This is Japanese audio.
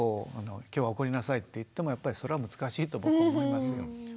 今日は怒りなさいって言ってもやっぱりそれは難しいと僕思いますよ。